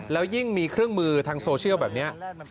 แล้วยิ่งมีเครื่องมือทางโซเชียลแบบนี้